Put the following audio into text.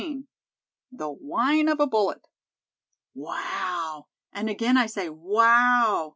THE "WHINE" OF A BULLET. "Wow! and again I say, wow!"